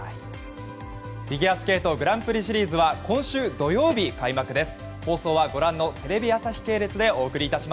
フィギュアスケートグランプリシリーズ今週土曜日開幕です。